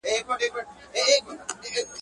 ما لېمه درته فرش کړي ما مي سترګي وې کرلي.